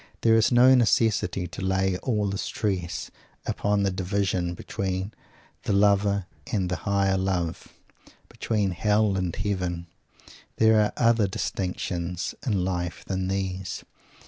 There is no necessity to lay all the stress upon the division between the Lower and the Higher Love, between Hell and Heaven. There are other distinctions in life than these.